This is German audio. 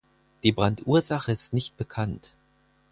Die Brandursache ist nicht bekannt.